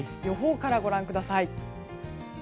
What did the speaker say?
予報からご覧ください。